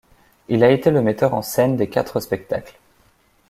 Il a été le metteur en scène des quatre spectacles.